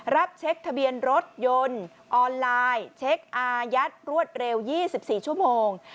รับเช็คทะเบียนรถยนต์ออนไลน์เช็คอายัดรวดเร็ว๒๔ชั่วโมง